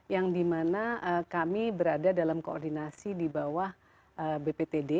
yang dimana kami berada dalam koordinasi di bawah bptd